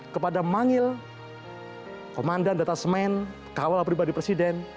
kepada mangil komandan datasemen kawal pribadi presiden